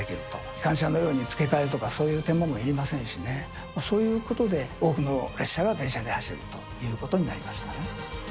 機関車のように付け替えとかそういう手間がいりませんしね、そういうことで、多くの会社が電車で走るということになりましたね。